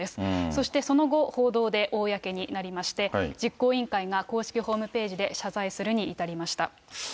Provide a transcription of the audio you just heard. そしてその後、報道で公になりまして、実行委員会が公式ホームページで謝罪するに至りました。